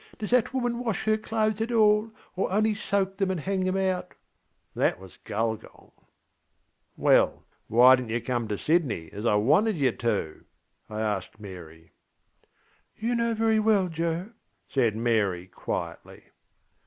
Does that woman wash her clothes at all? or only soak ŌĆÖem and hang ŌĆÖem out? ŌĆÖŌĆöthat was Gulgong.) ŌĆśWell, why didnŌĆÖt you come to Sydney, as I wanted you to? ŌĆÖ I asked Mary. ŌĆśYou know very well, Joe, ŌĆÖ said Mary quietly.